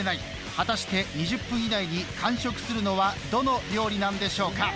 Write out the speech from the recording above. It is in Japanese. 果たして２０分以内に完食するのはどの料理なんでしょうか？